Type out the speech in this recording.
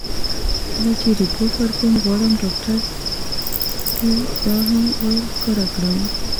کله چې رېپورټ ورکوم، غواړم ډاکټر ته دا هم ور ښکاره کړم.